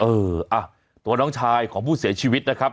เอออ่ะตัวน้องชายของผู้เสียชีวิตนะครับ